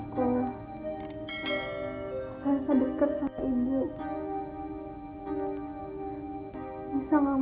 kalau nisa gak mau kembali ke rumah om